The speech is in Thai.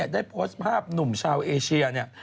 ได้โพสต์ภาพหนุ่มชาวเอเชียเนี่ย